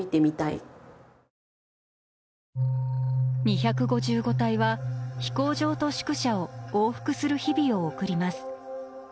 二五五隊は飛行場と宿舎を往復する日々を送ります。